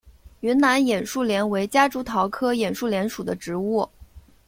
云南眼树莲为夹竹桃科眼树莲属的植物。